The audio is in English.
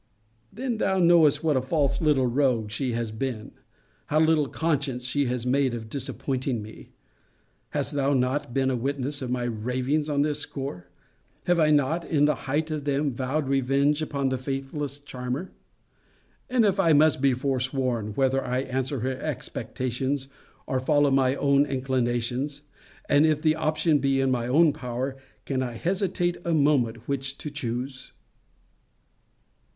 Then thou knowest what a false little rogue she has been. How little conscience she has made of disappointing me. Hast thou not been a witness of my ravings on this score? Have I not, in the height of them, vowed revenge upon the faithless charmer? And if I must be forsworn, whether I answer her expectations, or follow my own inclinations; and if the option be in my own power, can I hesitate a moment which to choose?